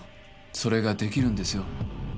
それができるんですよ。